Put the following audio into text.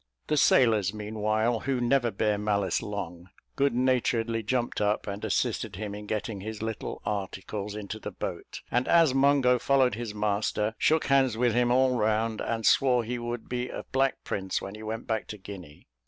The sailors, meanwhile, who never bear malice long, good naturedly jumped up, and assisted him in getting his little articles into the boat; and as Mungo followed his master, shook hands with him all round, and swore he should be a black prince when he went back to Guinea.